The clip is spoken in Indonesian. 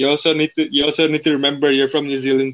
lu juga harus ingat lu juga dari new zealand